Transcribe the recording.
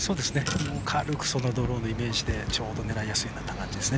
軽くドローのイメージでちょうど狙いやすいですね。